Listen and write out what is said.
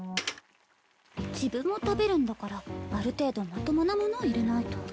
自分も食べるんだからある程度まともなものを入れないと